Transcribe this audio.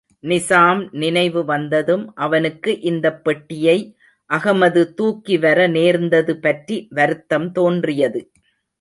நிசாம் நினைவு வந்ததும், அவனுக்கு இந்தப் பெட்டியை அகமது தூக்கி வர நேர்ந்தது பற்றி வருத்தம் தோன்றியது.